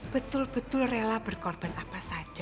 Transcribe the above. betul betul rela berkorban apa saja